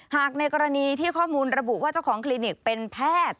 ในกรณีที่ข้อมูลระบุว่าเจ้าของคลินิกเป็นแพทย์